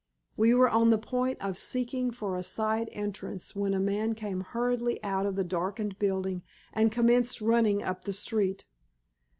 We were on the point of seeking for a side entrance when a man came hurriedly out of the darkened building and commenced running up the street.